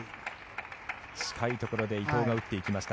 近いところで伊藤が打っていきました